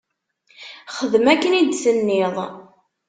Xdem akken i d-tenniḍ.